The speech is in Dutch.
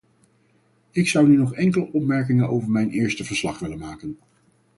Ik zou nu nog enkele opmerkingen over mijn eerste verslag willen maken.